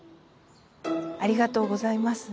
ありがとうございます。